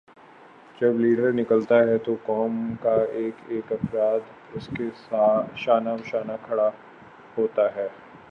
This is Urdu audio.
جب لیڈر نکلتا ہے تو قوم کا ایک ایک فرد اسکے شانہ بشانہ کھڑا ہوتا ہے۔